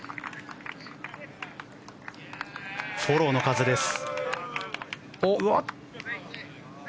フォローの風です。